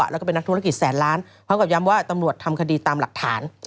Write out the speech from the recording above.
แล้วก็เป็นนักธุรกิจแสนล้านพร้อมกับย้ำว่าตำรวจทำคดีตามหลักฐาน